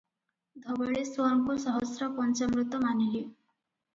ଧବଳେଶ୍ଵରଙ୍କୁ ସହସ୍ର ପଞ୍ଚାମୃତ ମାନିଲେ ।